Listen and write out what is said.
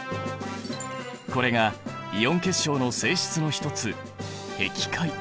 これがイオン結晶の性質の一つへき開。